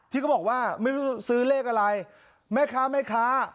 ที่เขาบอกว่าไม่รู้ซื้อเลขอะไรแม่ค้าแม่ค้า